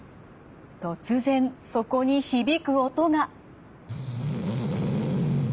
突然そこに響く音が。